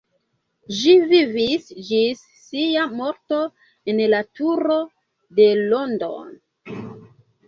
Ĝi vivis ĝis sia morto en la turo de Londono.